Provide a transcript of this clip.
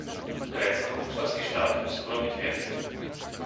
Grécko, členský štát, musí urobiť viac.